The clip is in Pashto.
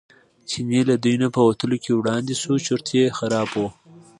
چینی له دوی نه په وتلو کې وړاندې شو چورت یې خراب و.